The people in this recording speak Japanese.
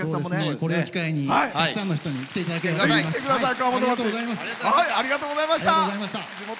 これを機会に、たくさんの人に来ていただきたいと思います。